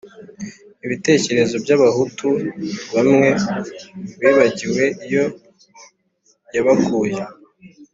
ibitekerezo by’abahutu bamwe bibagiwe iyo yabakuye.